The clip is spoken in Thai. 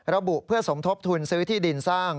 ระบุเพื่อสมทบทุนซื้อที่ดินสร้าง